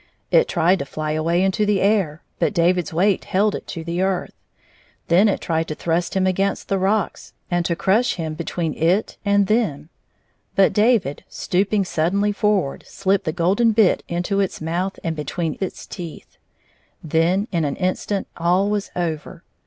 It tried to fly away into the air, but David's weight held it to the earth. Then it tried to thrust him against the rocks, and to crush him between it and them, but David, stooping suddenly forward, slipped the golden bit into its mouth and between its teeth. Then in an instant all was over.